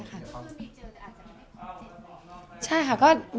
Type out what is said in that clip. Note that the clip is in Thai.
คุณพึ่งมีเจอแต่อาจจะมานิดหนึ่ง